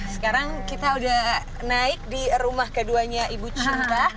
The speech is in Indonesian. sekarang kita udah naik di rumah keduanya ibu cinta